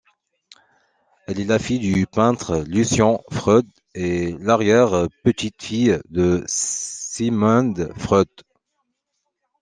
Elle est la fille du peintre Lucian Freud et l'arrière-petite-fille de Sigmund Freud.